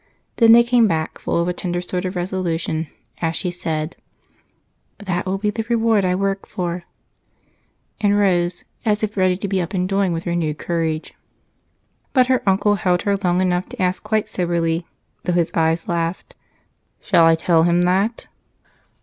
Then they came back full of a tender sort of resolution as she said: "That will be the reward I work for," and rose, as if ready to be up and doing with renewed courage. But her uncle held her long enough to ask quite soberly, though his eyes laughed: "Shall I tell him that?"